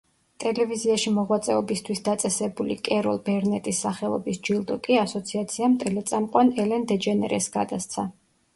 ტელევიზიაში მოღვაწეობისთვის დაწესებული კეროლ ბერნეტის სახელობის ჯილდო კი, ასოციაციამ ტელეწამყვან ელენ დეჯენერესს გადასცა.